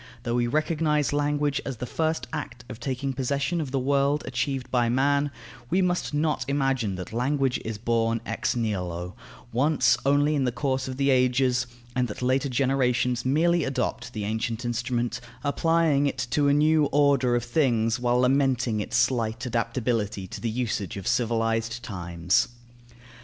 Though we recognize language as the first act of taking possession of the world achieved by man, we must not imagine that language is born ex nihilo, once only in the course of the ages, and that later generations merely adopt the ancient instrument, applying it to a new order of things while lamenting its slight adaptability to the usage of civilized times.